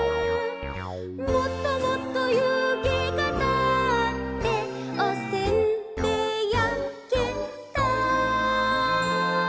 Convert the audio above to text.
「もっともっと湯気がたっておせんべいやけた」